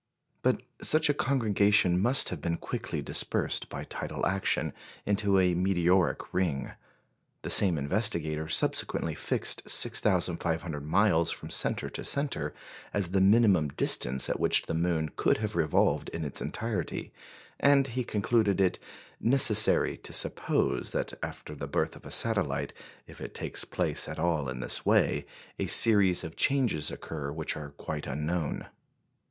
But such a congregation must have been quickly dispersed, by tidal action, into a meteoric ring. The same investigator subsequently fixed 6,500 miles from centre to centre as the minimum distance at which the moon could have revolved in its entirety; and he concluded it "necessary to suppose that, after the birth of a satellite, if it takes place at all in this way, a series of changes occur which are quite unknown."